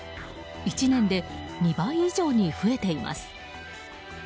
１年で２倍以上に増えています。